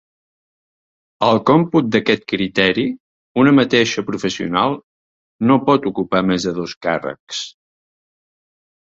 Al còmput d'aquest criteri, una mateixa professional no pot ocupar més de dos càrrecs.